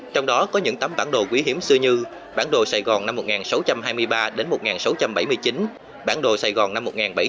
trong đó có những tấm bản đồ quý hiếm xưa như bản đồ sài gòn năm một nghìn sáu trăm hai mươi ba đến một nghìn sáu trăm bảy mươi chín bản đồ sài gòn năm một nghìn bảy trăm bảy mươi